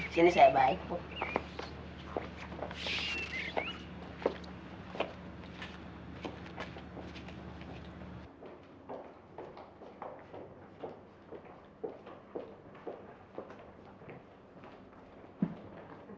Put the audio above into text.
sini saya baik